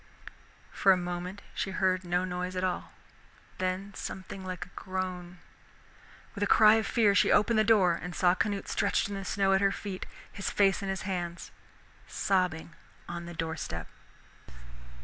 For a moment she heard no noise at all, then something like a groan. With a cry of fear she opened the door, and saw Canute stretched in the snow at her feet, his face in his hands, sobbing on the doorstep.